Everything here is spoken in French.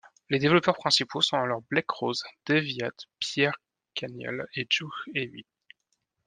Les développeurs principaux sont alors Blake Ross, Dave Hyatt, Pierre Chanial et Joe Hewitt.